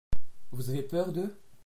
Vous avez peur d’eux ?